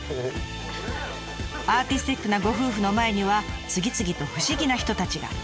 アーティスティックなご夫婦の前には次々と不思議な人たちが。